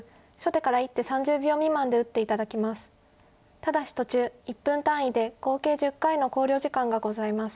ただし途中１分単位で合計１０回の考慮時間がございます。